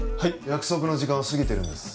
約束の時間を過ぎてるんです